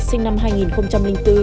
sinh năm hai nghìn bốn